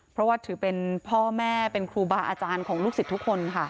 เพราะว่าถือเป็นพ่อแม่เป็นครูบาอาจารย์ของลูกศิษย์ทุกคนค่ะ